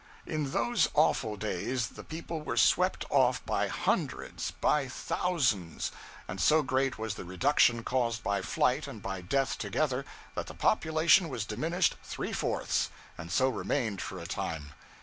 In those awful days the people were swept off by hundreds, by thousands; and so great was the reduction caused by flight and by death together, that the population was diminished three fourths, and so remained for a time.